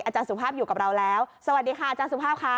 สุภาพอยู่กับเราแล้วสวัสดีค่ะอาจารย์สุภาพค่ะ